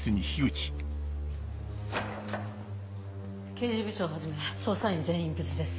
刑事部長をはじめ捜査員全員無事です。